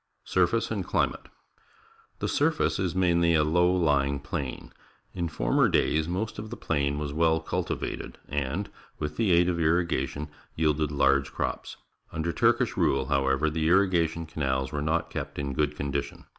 Surface and Climate. — The surface is mainly a low ljing plain. In former days most of the plain was well cultivated, and, with the aid of irrigation, yielded large crops. T'nder Turkish rule, however, the irrigation canals were not kept in good condition.